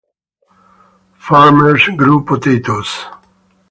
Farmers grew potatoes.